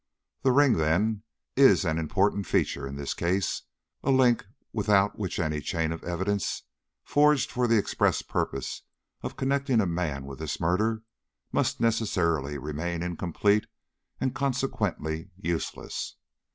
The ring, then, is an important feature in this case, a link without which any chain of evidence forged for the express purpose of connecting a man with this murder must necessarily remain incomplete and consequently useless.